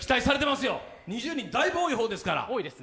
２０人、だいぶ多い方ですから。